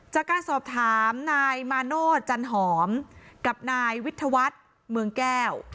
จากการสอบถามนายมาโนธจันหอมกับนายวิทยาวัฒน์เมืองแก้ว